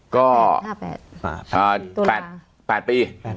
ก็๘ปี